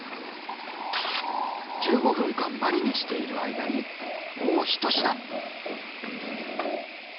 １５分間マリネしている間にもう１品！